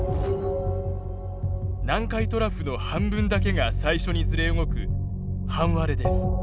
南海トラフの半分だけが最初にずれ動く半割れです。